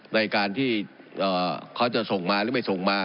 ในการที่เขาจะส่งมาหรือไม่ส่งมา